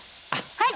はい。